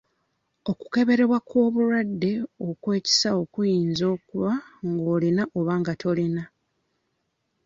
Okukeberebwa kw'obulwadde okw'ekisawo kuyinza okuba ng'olina oba nga tolina.